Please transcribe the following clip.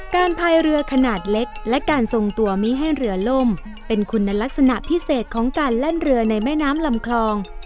พายเรือขนาดเล็กและการทรงตัวมีให้เรือล่มเป็นคุณลักษณะพิเศษของการแล่นเรือในแม่น้ำลำคลอง